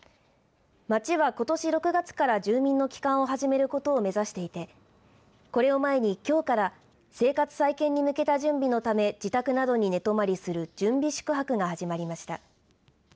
町はことし６月から住民の帰還を始めることを目指していてこれを前に、きょうから生活再建に向けた準備のため自宅などに寝泊まりする準備宿泊が始まりました。